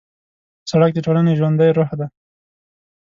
سړک د ټولنې ژوندی روح دی.